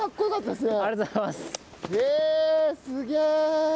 すげえ。